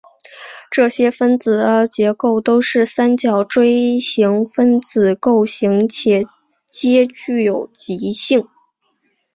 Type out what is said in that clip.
这些分子的结构都是三角锥形分子构型且皆具有极性。